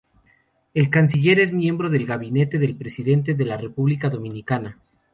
El canciller es miembro del Gabinete del presidente de la República Dominicana.